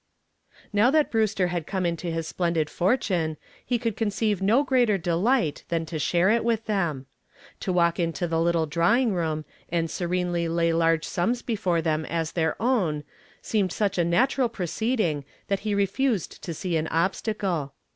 Now that Brewster had come into his splendid fortune he could conceive no greater delight than to share it with them. To walk into the little drawing room and serenely lay large sums before them as their own seemed such a natural proceeding that he refused to see an obstacle.